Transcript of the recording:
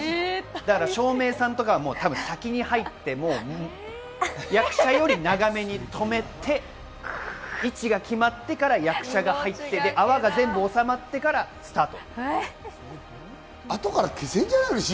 照明さんとかは多分先に入って役者より長めに止めて、位置が決まってから役者が入って、泡が全部、おさまってからスタート。